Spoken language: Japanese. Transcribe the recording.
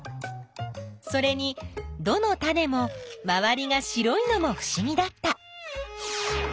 それにどのタネもまわりが白いのもふしぎだった。